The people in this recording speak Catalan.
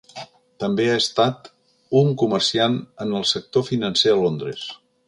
També ha estat un comerciant en el sector financer a Londres.